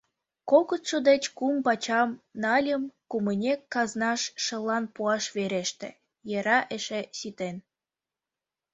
Кокытшо деч кум пачам нальым, кумынек казнаш шыллан пуаш вереште, йӧра эше ситен.